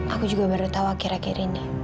aku juga baru tahu akhir akhir ini